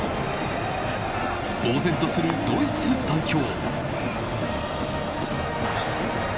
ぼう然とするドイツ代表。